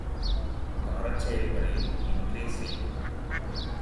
அந்த அறச்செயல்களையும் இன்றே செய்!